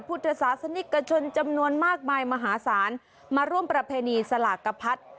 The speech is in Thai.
ผู้ตรศาสนิกชนจำนวนมากมายมาหาสารมาร่วมประเพณีสลากภัฒน์